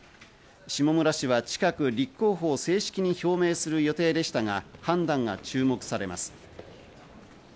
下村氏は近く立候補を正式に表明する予定でしたが判断が注目されます。